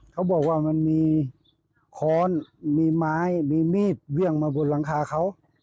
เขาบอกว่ามันมีค้อนมีไม้มีมีดเวี่ยงมาบนหลังคาเขา